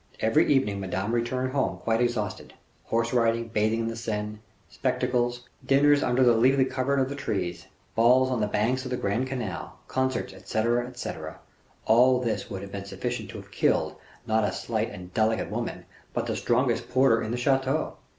Every evening Madame returned home quite exhausted. Horse riding, bathing in the Seine, spectacles, dinners under the leafy covert of the trees, balls on the banks of the grand canal, concerts, etc., etc.; all this would have been sufficient to have killed, not a slight and delicate woman, but the strongest porter in the chateau.